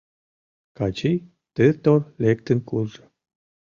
Качий тыр-тор лектын куржо.